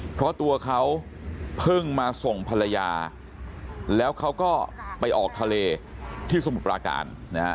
เพราะตัวเขาเพิ่งมาส่งภรรยาแล้วเขาก็ไปออกทะเลที่สมุทรปราการนะฮะ